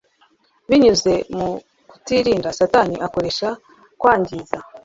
Binyuze mu kutirinda, Satani akoresha kwangiza